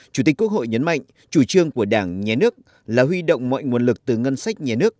chủ tịch quốc hội nhấn mạnh chủ trương của đảng nhà nước là huy động mọi nguồn lực từ ngân sách nhà nước